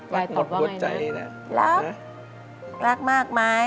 ล่ายตอบว่าไงเนี่ย